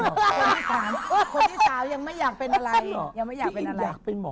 คนที่สามเสร็จเนี่ยคนที่สามยังไม่อยากเป็นอะไร